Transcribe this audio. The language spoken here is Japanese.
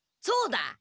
そうだ！